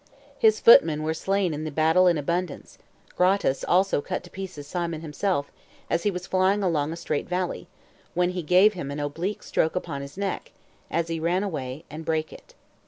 His footmen were slain in the battle in abundance; Gratus also cut to pieces Simon himself, as he was flying along a strait valley, when he gave him an oblique stroke upon his neck, as he ran away, and brake it.